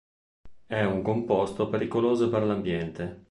È un composto pericoloso per l'ambiente.